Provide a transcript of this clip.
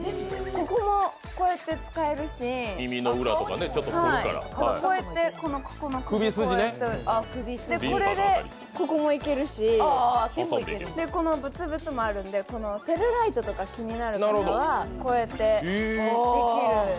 ここも、こうやって使えるしこうやって、ここをやったり、これで、ここもいけるし、ブツブツもあるので、セルライトとか気になる方はこうやってできる。